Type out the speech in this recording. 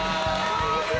こんにちは！